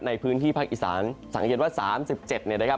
ในพื้นที่ภาคอิสานเกือบหลายพื้นที่เลยนะครับ